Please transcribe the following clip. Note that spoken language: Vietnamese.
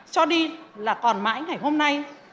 cho đi là còn mãi ngày hôm nay